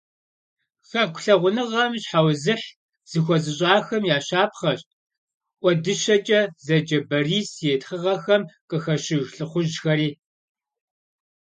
Хэку лъагъуныгъэм щхьэузыхь зыхуэзыщӀахэм я щапхъэщ « ӀуэдыщэкӀэ» зэджэ Борис и тхыгъэхэм къыхэщыж лӀыхъужьхэри.